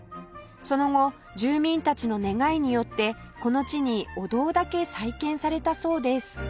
その後住民たちの願いによってこの地にお堂だけ再建されたそうです